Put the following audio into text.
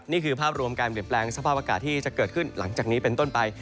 นี่คือภาพรวมการเปลี่ยนแปลงสภาพอากาศที่จะเกิดขึ้นหลังจากนี้เป็นต้นไป